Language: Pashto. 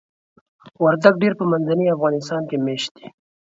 وردګ ډیری په منځني افغانستان کې میشت دي.